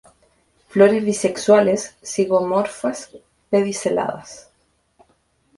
Flores bisexuales, zigomorfas, pediceladas.